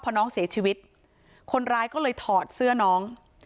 พอน้องเสียชีวิตคนร้ายก็เลยถอดเสื้อน้อง